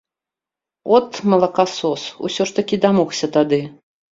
От, малакасос, усё ж такі дамогся тады!